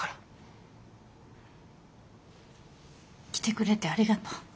来てくれてありがとう。